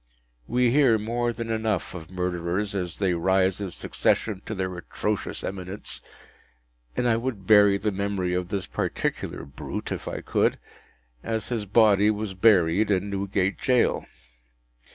We hear more than enough of murderers as they rise in succession to their atrocious eminence, and I would bury the memory of this particular brute, if I could, as his body was buried, in Newgate Jail.